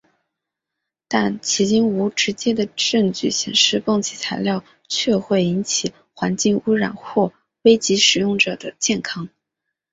但迄今无直接的证据显示汞齐材料确会引起环境污染或危及使用者的健康。